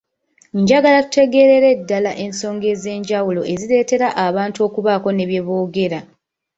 Njagala tutegeerere ddala ensonga ez’enjawulo ezireetera abantu okubaako ne bye boogera.